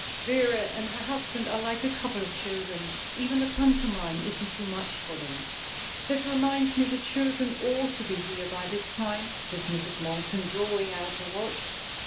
Vera and her husband are like a couple of children. Even the pantomime isn't too much for them." "That reminds me the children ought to be here by this time," says Mrs. Monkton, drawing out her watch.